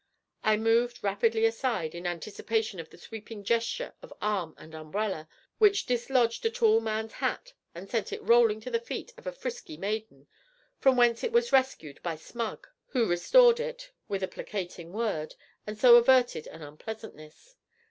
I moved rapidly aside, in anticipation of the sweeping gesture of arm and umbrella, which dislodged a tall man's hat and sent it rolling to the feet of a frisky maiden, from whence it was rescued by Smug, who restored it, with a placating word, and so averted an unpleasantness.